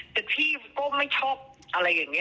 แต่พี่ก็ไม่ชอบอะไรอย่างนี้